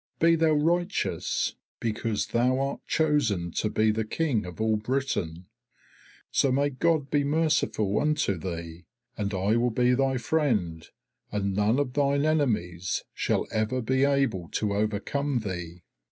Be thou righteous, because thou art chosen to be the King of all Britain. So may God be merciful unto thee, and I will be thy friend, and none of thine enemies shall ever be able to overcome thee.'